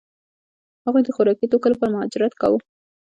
هغوی د خوراکي توکو لپاره مهاجرت کاوه.